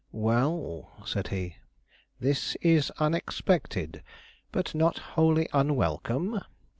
"Well," said he, "this is unexpected, but not wholly unwelcome.